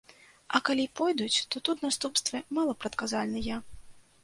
А калі пойдуць, то тут наступствы малапрадказальныя.